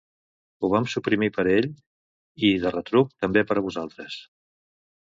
Ho vam suprimir per a ell, i, de retruc, també per a vosaltres.